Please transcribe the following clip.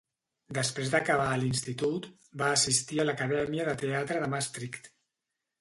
Després d'acabar a l'institut, va assistir a l'Acadèmia de Teatre de Maastricht.